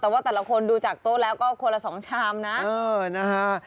แต่ว่าแต่ละคนดูจากโต๊ะแล้วก็คนละ๒ชามนะ